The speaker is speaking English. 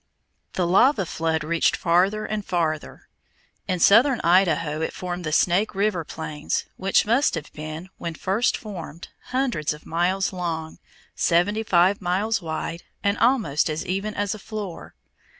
The lava flood reached farther and farther. In southern Idaho it formed the Snake River plains, which must have been, when first formed, hundreds of miles long, seventy five miles wide, and almost as even as a floor.